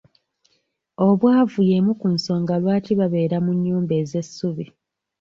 Obwavu y'emu ku nsonga lwaki babeera mu nnyumba ez'essubi.